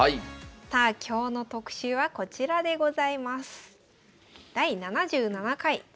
さあ今日の特集はこちらでございます。